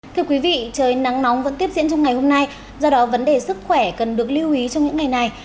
thưa quý vị trời nắng nóng vẫn tiếp diễn trong ngày hôm nay do đó vấn đề sức khỏe cần được lưu ý trong những ngày này